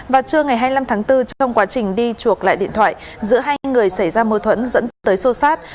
vào trưa ngày hai mươi năm tháng bốn trong quá trình đi chuộc lại điện thoại giữa hai người xảy ra mâu thuẫn dẫn tới sô sát